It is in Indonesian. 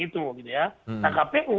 itu gitu ya nah kpu